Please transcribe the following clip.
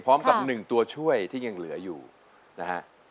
พร้อมกับ๑ตัวช่วยที่ยังเหลืออยู่นะฮะ